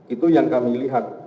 itu yang kami lihat